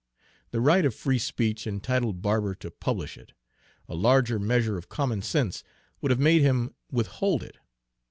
The right of free speech entitled Barber to publish it; a larger measure of common sense would have made him withhold it.